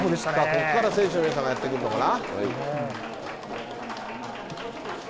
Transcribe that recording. ここから選手の皆さんがやって来るのかな？